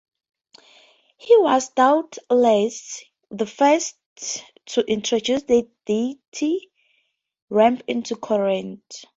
He was doubtless the first to introduce the dithyramb into Corinth.